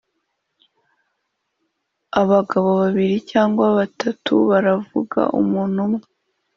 abagabo babiri cyangwa batatu baravuga umuntu umwe